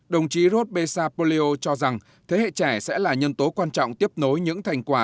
đồng chí robesapoleo cho rằng thế hệ trẻ sẽ là nhân tố quan trọng tiếp nối những thành quả